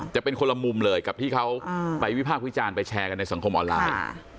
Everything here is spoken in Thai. จะเป็นคนละมุมเลยกับที่เขาไปวิพากษ์วิจารณ์ไปแชร์กันในสังคมออนไลน์